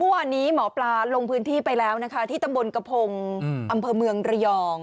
เมื่อวานนี้หมอปลาลงพื้นที่ไปแล้วนะคะที่ตำบลกระพงอำเภอเมืองระยอง